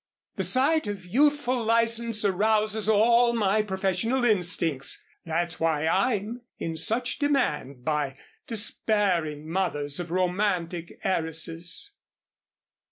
The sight of youthful license arouses all my professional instincts. That's why I'm in such demand by despairing mothers of romantic heiresses."